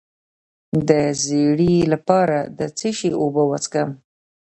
د ژیړي لپاره د څه شي اوبه وڅښم؟